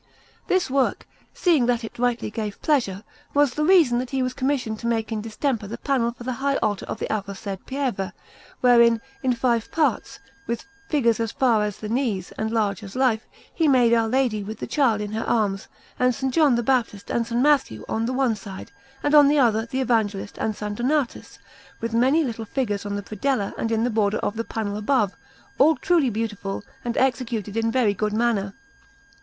This work, seeing that it rightly gave pleasure, was the reason that he was commissioned to make in distemper the panel for the high altar of the aforesaid Pieve; wherein, in five parts, with figures as far as the knees and large as life, he made Our Lady with the Child in her arms, and S. John the Baptist and S. Matthew on the one side, and on the other the Evangelist and S. Donatus, with many little figures in the predella and in the border of the panel above, all truly beautiful and executed in very good manner.